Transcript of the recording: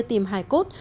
tìm hải cốt